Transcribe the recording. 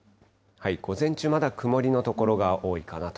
午前中まだ曇りの所が多いかなと。